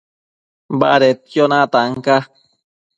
Badedquio natan ca